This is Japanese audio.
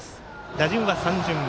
打順は３巡目。